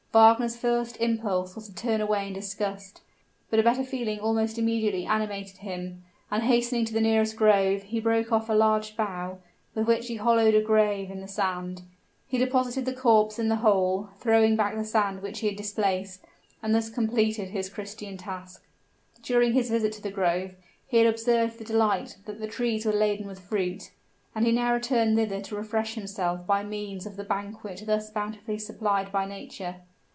Wagner's first impulse was to turn away in disgust, but a better feeling almost immediately animated him: and, hastening to the nearest grove, he broke off a large bough, with which he hollowed a grave in the sand. He deposited the corpse in the hole, throwing back the sand which he had displaced, and thus completed his Christian task. During his visit to the grove, he had observed with delight that the trees were laden with fruit; and he now returned thither to refresh himself by means of the banquet thus bountifully supplied by nature.